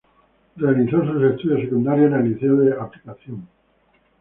Realizó sus estudios secundarios en el Liceo de Aplicación.